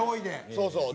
そうそう。